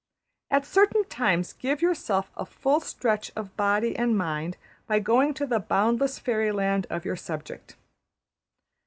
At certain times give yourself a full stretch of body and mind by going to the boundless fairyland of your subject.